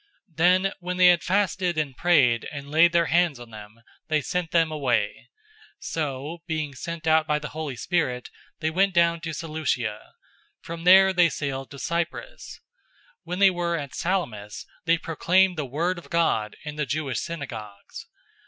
013:003 Then, when they had fasted and prayed and laid their hands on them, they sent them away. 013:004 So, being sent out by the Holy Spirit, they went down to Seleucia. From there they sailed to Cyprus. 013:005 When they were at Salamis, they proclaimed the word of God in the Jewish synagogues.